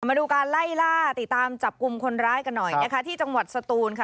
มาดูการไล่ล่าติดตามจับกลุ่มคนร้ายกันหน่อยนะคะที่จังหวัดสตูนค่ะ